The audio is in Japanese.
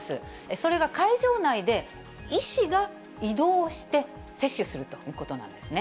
それが会場内で、医師が移動して接種するということなんですね。